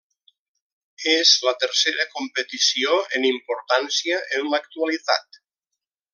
És la tercera competició en importància en l'actualitat.